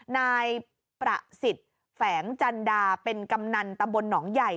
นายประสิทธิ์แฝงจันดาเป็นกำนันตำบลหนองใหญ่